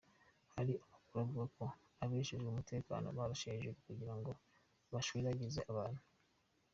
Hari amakuru avuga ko abejejwe umutekano barashe hejuru kugira bashwiragize abantu.